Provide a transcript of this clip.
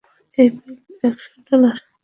এবং বিল একশো ডলার।